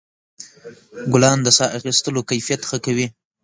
ګلان د ساه اخیستلو کیفیت ښه کوي.